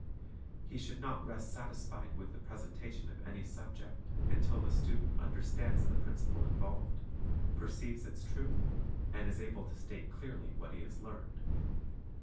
He should not rest satisfied with the presentation of any subject until the student understands the principle involved, perceives its truth, and is able to state clearly what he has learned.